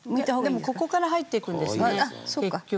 でもここから入っていくんですね結局。